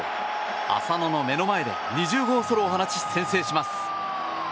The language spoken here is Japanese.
浅野の目の前で２０号ソロを放ち、先制します。